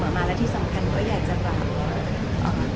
นะคะและที่สำคัญหากวัดอยากจะบาง